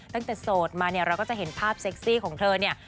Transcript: ตั้งแต่โสดมาเนี่ยเราก็จะเห็นภาพเซ็กซี่ของเธอเนี่ย